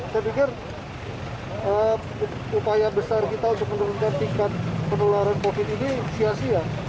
saya pikir upaya besar kita untuk menurunkan tingkat penularan covid ini sia sia